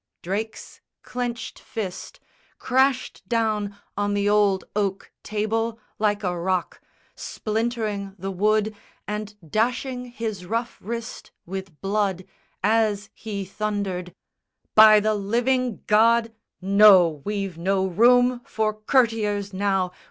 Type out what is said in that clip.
Drake's clenched fist Crashed down on the old oak table like a rock, Splintering the wood and dashing his rough wrist With blood, as he thundered, "By the living God, No! We've no room for courtiers, now!